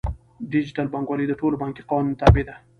ډیجیټل بانکوالي د ټولو بانکي قوانینو تابع ده.